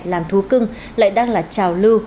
làm thú cưng lại đang là trào lưu